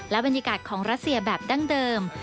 บรรยากาศของรัสเซียแบบดั้งเดิม